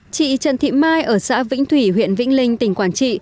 chị trần thị mai ở xã vĩnh thủy huyện vĩnh linh tỉnh quảng trị